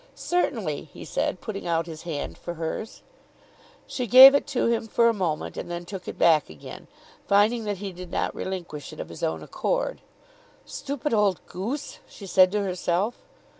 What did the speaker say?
"Certainly," he said, putting out his hand for hers. She gave it to him for a moment, and then took it back again, finding that he did not relinquish it of his own accord. "Stupid old goose!" she said to herself.